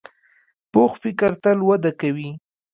پوخ فکر تل وده کوي